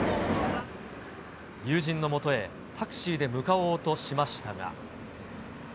友人のもとへタクシーで向かおうとしましたが。